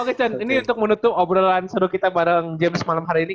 oke chan ini untuk menutup obrolan seru kita bareng james malam hari ini